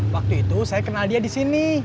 waktu itu saya kenal dia disini